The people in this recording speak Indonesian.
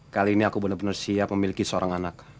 kali ini aku benar benar siap memiliki seorang anak